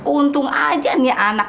untung aja nih anak